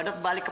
dat balik ke